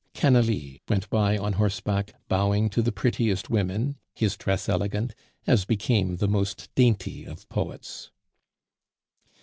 Canalis went by on horseback, bowing to the prettiest women, his dress elegant, as became the most dainty of poets.